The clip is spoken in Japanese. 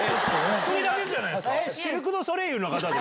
１人だけじゃないですか。